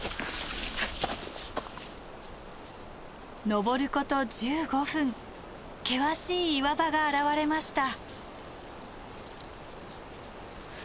登ること１５分険しい岩場が現れました。